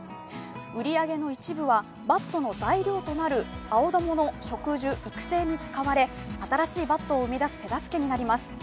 売り上げの一部はバットの材料となるアオダモの植樹、育成に使われ新しいバットを生み出す手助けになります。